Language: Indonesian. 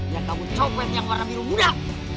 yang kamu cowet yang warna biru muda